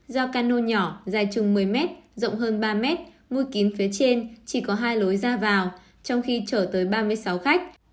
do cano nhỏ dài chừng một mươi m rộng hơn ba m vui kín phía trên chỉ có hai lối ra vào trong khi trở tới ba mươi sáu khách